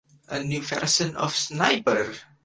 A new version of Sniper!